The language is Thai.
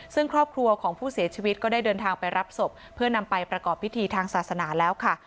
ซึ่งครอบครัวของผู้เสียชีวิตก็ได้เดินทางไปรับศพเพื่อนำไปประกอบพิธีทางศาสนาแล้วค่ะ